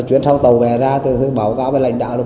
chuyến sang tàu về ra thì báo cáo về lãnh đạo